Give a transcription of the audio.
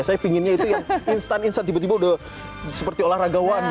saya pinginnya itu yang instant instant tiba tiba udah seperti olahragawan gitu